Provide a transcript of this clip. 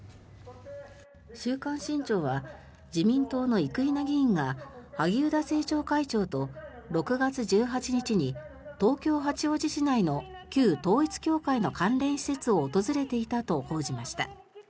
「週刊新潮」は自民党の生稲議員が萩生田政調会長と６月１８日に東京・八王子市内の旧統一教会の関連施設を訪れていたと報じました。